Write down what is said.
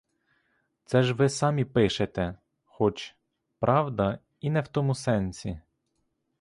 Це ж ви самі пишете, хоч, правда, і не в тому сенсі.